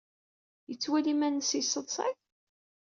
Yettwali iman-nnes yesseḍsay?